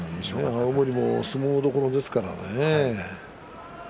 青森も相撲どころですからね。